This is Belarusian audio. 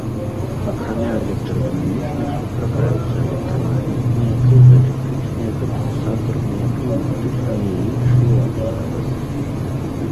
Акрамя электрадынамічных, сустракаюцца электрамагнітныя, п'езаэлектрычныя, кандэнсатарныя, пнеўматычныя і іншыя гучнагаварыцелі.